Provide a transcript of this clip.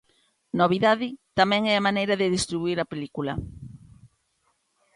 Novidade tamén é a maneira de distribuír a película.